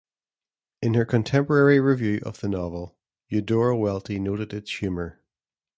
In her contemporary review of the novel, Eudora Welty noted its humor.